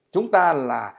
chúng ta là